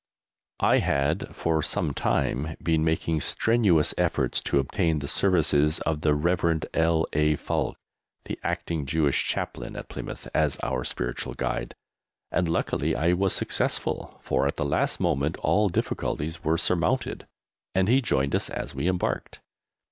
I had, for some time, been making strenuous efforts to obtain the services of the Rev. L. A. Falk, the Acting Jewish Chaplain at Plymouth, as our spiritual guide, and luckily I was successful, for, at the last moment, all difficulties were surmounted, and he joined us as we embarked.